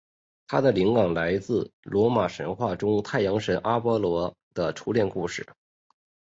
它的灵感来自罗马神话中太阳神阿波罗的初恋故事。